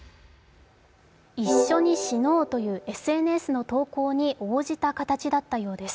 「一緒に死のう」という趣旨のＳＮＳの投稿に応じた形だったようです。